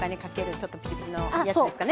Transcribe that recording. ちょっとピリピリのやつですかね。